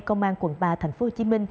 công an quận ba tp hcm